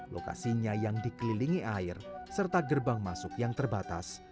lokasinya yang dikelilingi air serta gerbang masuk yang terbatas